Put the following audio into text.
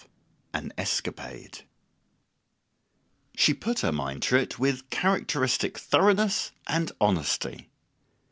XII AN ESCAPADE She put her mind to it with characteristic thoroughness and honesty.